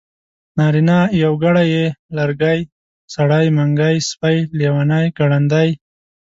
نارينه يوګړی ی لرګی سړی منګی سپی لېوانی ګړندی